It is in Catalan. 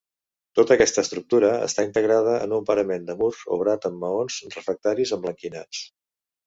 Tota aquesta estructura està integrada en un parament de mur obrat en maons refractaris emblanquinats.